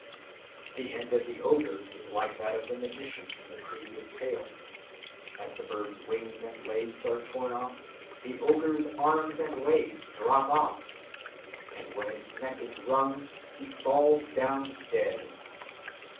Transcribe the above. The end of the ogre is like that of the magician in the previous tale. As the bird's wings and legs are torn off, the ogre's arms and legs drop off; and when its neck is wrung he falls down dead.